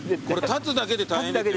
立つだけで大変ですよ。